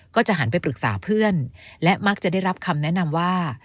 ก็จะหันไปปรึกษาเพื่อนและมักจะได้รับคำแนะนำว่า